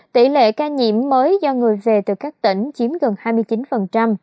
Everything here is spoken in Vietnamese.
tỷ lệ ca nhiễm mới do người về từ các tỉnh chiếm gần hai mươi chín